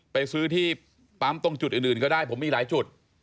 ไปซื้อที่ปั๊มตรงจุดอื่นก็ได้ผมมีหลายจุด